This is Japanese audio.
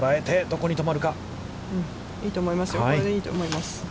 これでいいと思います。